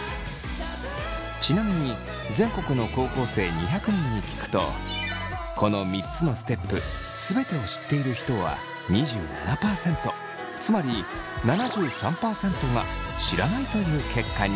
ちなみに全国の高校生２００人に聞くとこの３つのステップ全てを知っている人は２７％つまり７３％が知らないという結果に。